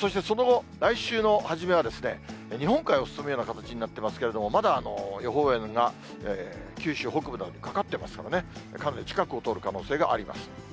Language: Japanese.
そして、その後、来週の初めは、日本海を進むような形になってますけれども、まだ予報円が九州北部などかかってますからね、かなり近くを通る可能性があります。